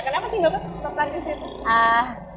kenapa sih mbak putri